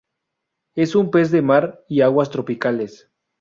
Es un pez de mar y aguas tropicales.